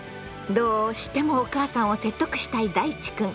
どうしてもお母さんを説得したいだいちくん。